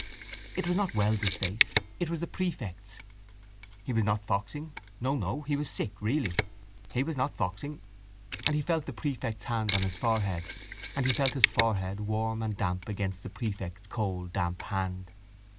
It was not Wells's face, it was the prefect's. He was not foxing. No, no: he was sick really. He was not foxing. And he felt the prefect's hand on his forehead; and he felt his forehead warm and damp against the prefect's cold damp hand.